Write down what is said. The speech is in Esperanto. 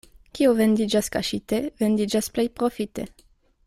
Kio vendiĝas kaŝite, vendiĝas plej profite.